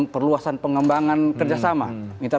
perluasan pengembangan kerjasama